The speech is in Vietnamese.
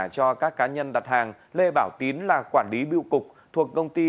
cho các cá nhân đặt hàng lê bảo tín là quản lý biêu cục thuộc công ty